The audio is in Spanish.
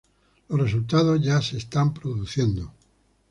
Los resultados ya se están produciendo.